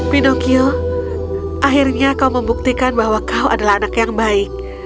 pinocchio akhirnya kau membuktikan bahwa kau adalah anak yang baik